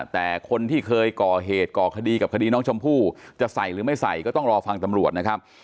แต่คนที่เคยก่อเหตุก่อคดีกับคดีน้องชมพู่จะใส่หรือไม่ใส่ก็ต้องรอฟังตำรวจนะครับ